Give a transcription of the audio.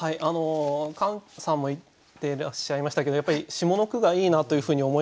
カンさんも言ってらっしゃいましたけどやっぱり下の句がいいなというふうに思いました。